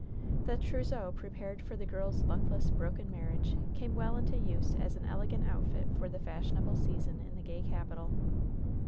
The trousseau prepared for the girl's luckless, broken marriage came well into use as an elegant outfit for the fashionable season in the gay capital.